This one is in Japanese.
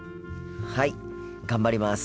はい頑張ります。